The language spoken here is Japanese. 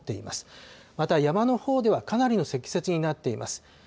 また山のほうでは、かなりの積雪になっています。